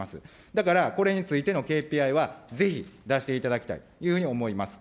だから、これについてのＫＰＩはぜひ、出していただきたいというふうに思います。